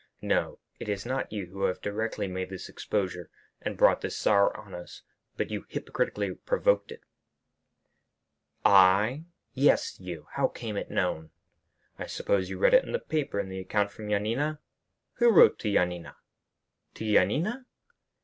"No; it is not you who have directly made this exposure and brought this sorrow on us, but you hypocritically provoked it." "I?" "Yes; you! How came it known?" "I suppose you read it in the paper in the account from Yanina?" "Who wrote to Yanina?" "To Yanina?"